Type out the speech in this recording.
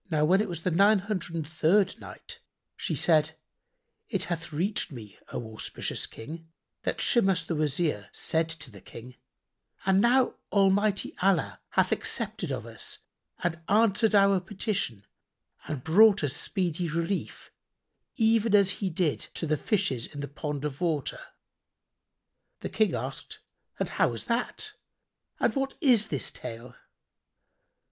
When it was the Nine Hundred and Third Night, She said, It hath reached me, O auspicious King, that Shimas the Wazir said to the King, "And now Almighty Allah hath accepted of us and answered our petition and brought us speedy relief, even as He did to the Fishes in the pond of water." The King asked, "And how was that, and what is the tale?"